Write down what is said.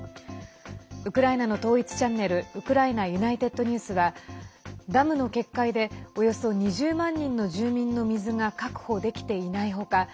ウクライナの統一チャンネルウクライナＵｎｉｔｅｄＮｅｗｓはダムの決壊で、およそ２０万人の住民の水が確保できていない他